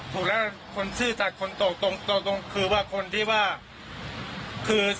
ถูกแล้วคนซื่อจัดคนตกตกก็คือคนที่ว่าสินธรรมมีไหม